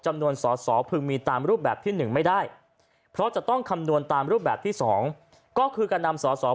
จำนวนสอสสอเพื่อมีตามรูปแบบที่หนึ่งไม่ได้เพราะจะต้องคำนวณตามรูปแบบที่สองก็คือกันนำสอสส๔